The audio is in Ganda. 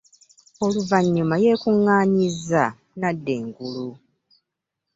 Oluvannyuma yeekuŋŋaanyizza n'adda engulu.